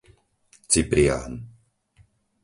Cyprián